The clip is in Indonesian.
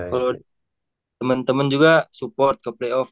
kalau temen temen juga support ke playoff